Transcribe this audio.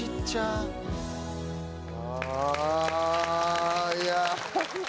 あいや。